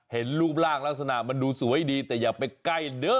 เห็นรูปร่างลักษณะมันดูสวยดีแต่อย่าไปใกล้เด้อ